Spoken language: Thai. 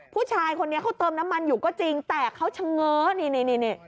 ผู้ชายคนนี้เขาเติมน้ำมันอยู่ก็จริงแต่เขาเฉง้อนี่นี่